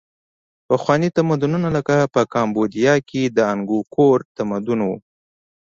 پخواني تمدنونه لکه په کامبودیا کې د انګکور تمدن و.